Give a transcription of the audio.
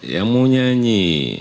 yang mau nyanyi